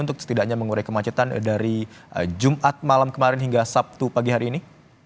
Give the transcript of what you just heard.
untuk setidaknya mengurai kemacetan dari jumat malam kemarin hingga sabtu pagi hari ini